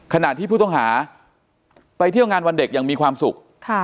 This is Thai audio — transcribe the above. ขณะที่ผู้ต้องหาไปเที่ยวงานวันเด็กอย่างมีความสุข